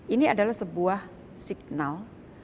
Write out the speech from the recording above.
ini adalah sebuah signal